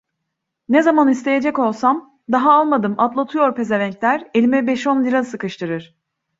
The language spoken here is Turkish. Ne zaman isteyecek olsam: "Daha almadım… Atlatıyor pezevenk!" der, elime beş on lira sıkıştırır…